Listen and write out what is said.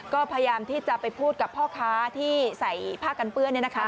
ก็พยายามที่จะไปพูดกับพ่อค้าที่ใส่ผ้ากันเปื้อน